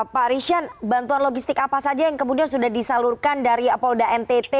pak rishan bantuan logistik apa saja yang kemudian sudah disalurkan dari polda ntt